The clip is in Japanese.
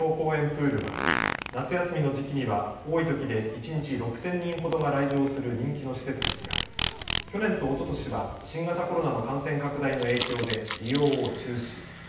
プールは夏休みの時期には多いときで一日６０００人ほどが来場する人気の施設ですが去年とおととしは新型コロナの感染拡大の影響で利用を中止。